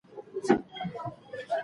کوم فعالیت د عضلاتو رغېدو لپاره اړین دی؟